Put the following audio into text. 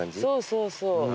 そうそうそう。